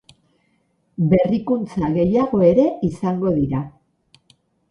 Berrikuntza gehiago ere izango dira.